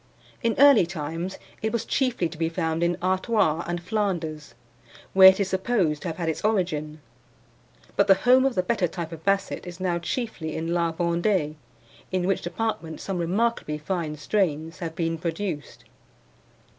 In early times it was chiefly to be found in Artois and Flanders, where it is supposed to have had its origin; but the home of the better type of Basset is now chiefly in La Vendee, in which department some remarkably fine strains have been produced.